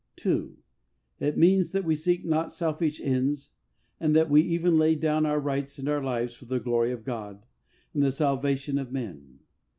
(2.) It means that we seek not selfish ends and that we even lay down our rights and our lives for the glory of God and the salvation of men.